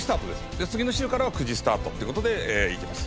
で次の週からは９時スタートって事でいけます。